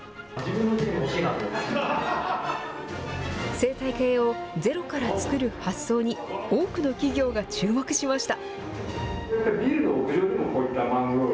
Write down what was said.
生態系をゼロから作る発想に多くの企業が注目しました。